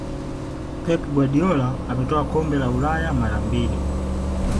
pep guardiola ametwaa kombe la ulaya mara mbili